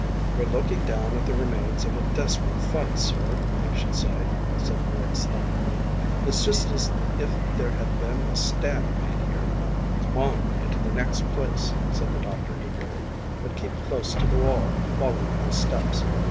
"We're looking down at the remains of a desperate fight, sir, I should say," said Griggs thoughtfully. "It's just as if there had been a stand made here." "Come on into the next place," said the doctor eagerly; "but keep close to the wall, following my steps.